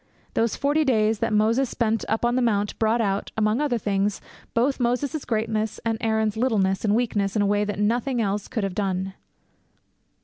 Those forty days that Moses spent on the mount brought out, among other things, both Moses' greatness and Aaron's littleness and weakness in a way that nothing else could have done.